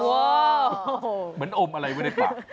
เหมือนอมอะไรไว้ในปาก